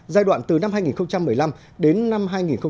giai đoạn từ năm hai nghìn một mươi năm đến năm hai nghìn hai mươi